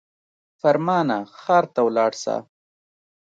فرمانه ښار ته ولاړ سه.